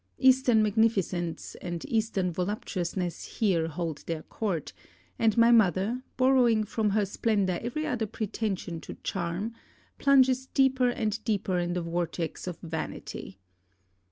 Eastern magnificence and eastern voluptuousness here hold their court, and my mother, borrowing from her splendor every other pretension to charm, plunges deeper and deeper in the vortex of vanity.